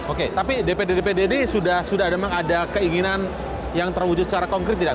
oke tapi dpd dpd ini sudah memang ada keinginan yang terwujud secara konkret tidak